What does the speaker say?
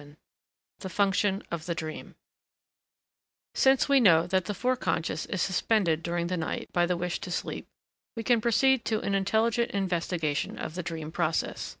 VII THE FUNCTION OF THE DREAM Since we know that the foreconscious is suspended during the night by the wish to sleep, we can proceed to an intelligent investigation of the dream process.